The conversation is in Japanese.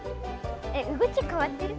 動き変わってる？